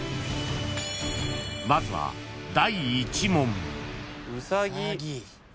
［まずは第１問］